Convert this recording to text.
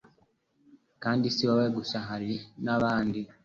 kandi si we gusa hari n'abandi